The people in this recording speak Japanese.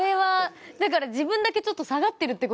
だから自分だけちょっと下がってるってことですもんね。